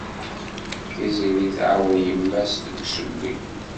Tiziri tɛawen yemma-s deg ussewwi.